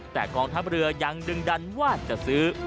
แต่กองทัพเรือยังดึงดันว่าจะซื้อ